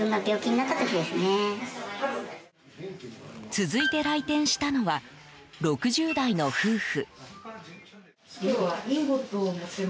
続いて来店したのは６０代の夫婦。